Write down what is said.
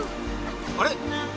あれ？